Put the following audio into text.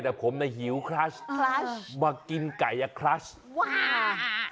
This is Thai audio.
แต่ผมนะหิวคลัชมากินไก่อะคลัช